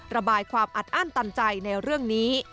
ระบายความอัดอั้นตันใจในเรื่องนี้